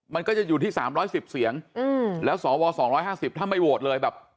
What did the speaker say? มันก็จะอยู่ที่สามร้อยสิบเสียงอืมแล้วสอวรสองร้อยห้าสิบถ้าไม่โหวตเลยแบบ